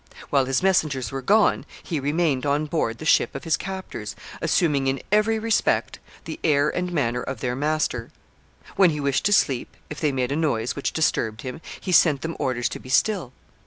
While his messengers were gone, he remained on board the ship of his captors, assuming in every respect the air and manner of their master. When he wished to sleep, if they made a noise which disturbed him, he sent them orders to be still.